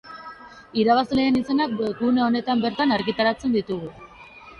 Irabazleen izenak webgune honetan bertan argitaratzen ditugu.